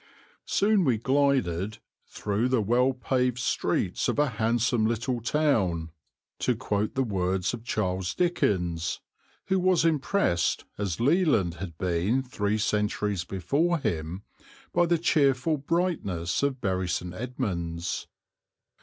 Soon we glided "through the well paved streets of a handsome little town," to quote the words of Charles Dickens, who was impressed, as Leland had been three centuries before him, by the cheerful brightness of Bury St. Edmunds.